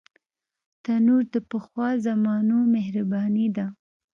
تنور د پخوا زمانو مهرباني ده